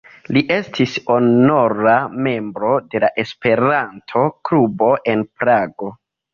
Li estis honora membro de la Esperanto-klubo en Prago.